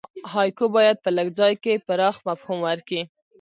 هایکو باید په لږ ځای کښي پراخ مفهوم ورکي.